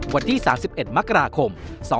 วันที่๓๑มกราคม๒๕๖๒